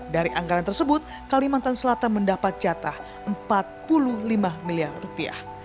dari anggaran tersebut kalimantan selatan mendapat jatah empat puluh lima miliar rupiah